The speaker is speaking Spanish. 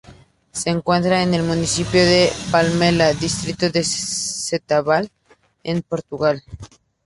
Se encuentra en el municipio de Palmela, distrito de Setúbal, en Portugal.